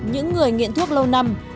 những người nghiện thuốc lâu năm